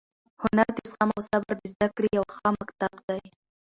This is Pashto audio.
هنر د زغم او صبر د زده کړې یو ښه مکتب دی.